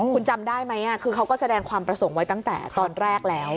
คุณจำได้ไหมคือเขาก็แสดงความประสงค์ไว้ตั้งแต่ตอนแรกแล้ว